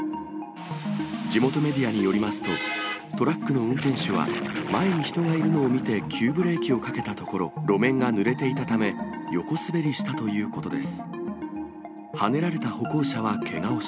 地元メディアによりますと、トラックの運転手は、前に人がいるのを見て急ブレーキをかけたところ、路面がぬれていたため、横滑りしたということです。